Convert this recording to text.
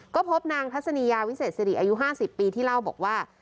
ก็พบนางทัศนียาวิเศษสิริอายุ๕๐ปีที่เล่าบอกว่า